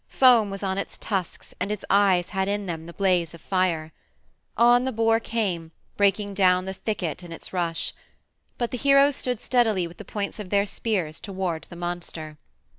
Foam was on its tusks, and its eyes had in them the blaze of fire. On the boar came, breaking down the thicket in its rush. But the heroes stood steadily with the points of their spears toward the monster.